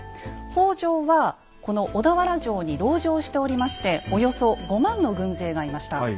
北条はこの小田原城に籠城しておりましておよそ５万の軍勢がいました。